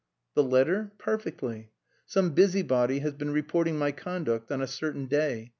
"The letter? Perfectly. Some busybody has been reporting my conduct on a certain day.